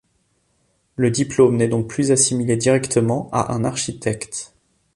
Le diplômé n'est donc plus assimilé directement à un architecte.